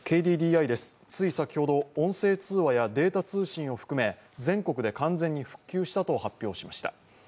ＫＤＤＩです、つい先ほど音声通話やデータ通信を含め全国で完全に復旧したと発表しました。